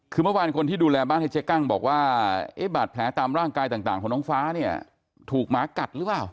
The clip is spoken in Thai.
คือเมื่อวานคนที่ดูแลบ้านให้เจ๊กั้งบอกว่าเอ๊ะบาดแผลตามร่างกายต่างของน้องฟ้าเนี่ยถูกหมากัดหรือเปล่า